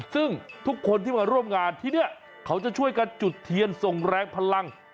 ซึ่งทุกคนที่มาร่วมงานที่นี่เขาจะช่วยกันจุดเทียนส่งแรงพลัง